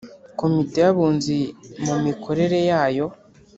Komite y Abunzi mu mikorere yayo